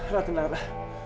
ra tenang ra